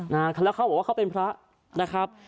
แล้วเขาบอกว่าเขาเป็นพระนะครับ